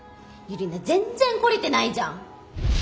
ユリナ全然懲りてないじゃん。